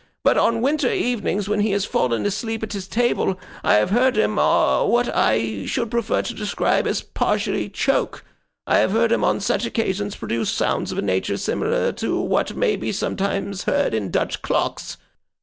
But on winter evenings, when he has fallen asleep at his table, I have heard him, what I should prefer to describe as partially choke. I have heard him on such occasions produce sounds of a nature similar to what may be sometimes heard in Dutch clocks.